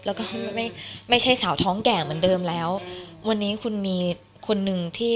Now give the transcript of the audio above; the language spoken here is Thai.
แล้วก็ไม่ไม่ใช่สาวท้องแก่เหมือนเดิมแล้ววันนี้คุณมีคนหนึ่งที่